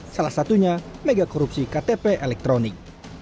salah satunya mega korupsi ktp elektronik